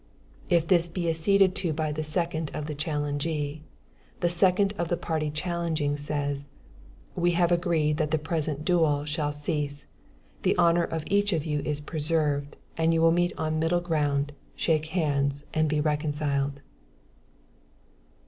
If this be acceded to by the second of the challengee, the second of the party challenging, says: "We have agreed that the present duel shall cease, the honor of each of you is preserved, and you will meet on middle ground, shake hands and be reconciled."